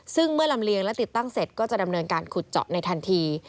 ซึ่งเมื่อลำเลียงและติดตั้งเสร็จก็จะดำเนินการขุดเจาะในทันที